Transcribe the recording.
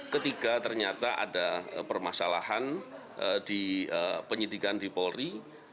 ketiga ternyata ada permasalahan di penyidikan di polri